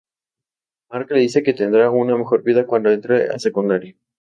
Mark le dice que tendrá una mejor vida cuando entre a secundaria.